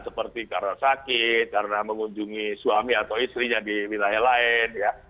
seperti karena sakit karena mengunjungi suami atau lainnya